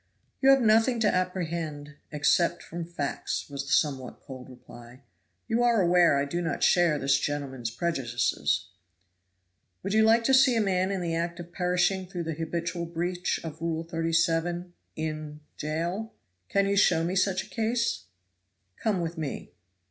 "You have nothing to apprehend except from facts," was the somewhat cold reply. "You are aware I do not share this gentleman's prejudices." "Would you like to see a man in the act of perishing through the habitual breach of Rule 37 in Jail?" "Can you show me such a case?" "Come with me."